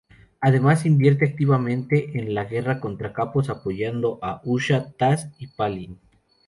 Además interviene activamente en la guerra contra Caos apoyando a Usha, Tas y Palin.